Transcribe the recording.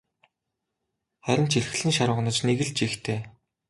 Харин ч эрхлэн шарваганаж нэг л жигтэй.